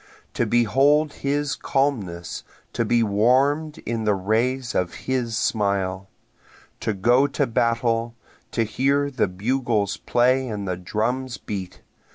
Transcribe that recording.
To behold his calmness to be warm'd in the rays of his smile! To go to battle to hear the bugles play and the drums beat!